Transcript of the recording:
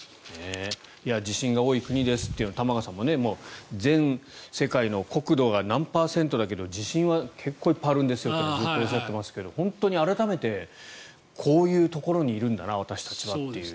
地震が多い国ですというのは玉川さんも全世界の国土が何パーセントだけど地震は結構いっぱいあるんですとおっしゃってましたが本当に改めてこういうところにいるんだな私たちはという。